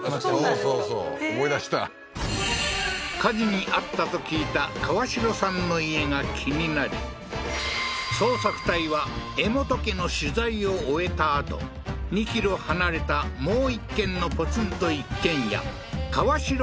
そうそうそう思い出した火事に遭ったと聞いたカワシロさんの家が気になり捜索隊は江本家の取材を終えたあと２ｋｍ離れたもう一軒のポツンと一軒家カワシロ